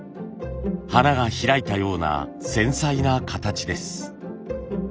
花が開いたような繊細な形です。